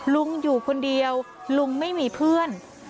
ลุงอยู่คนเดียวลุงไม่มีเพื่อน